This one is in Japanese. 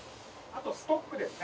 あとストックですね。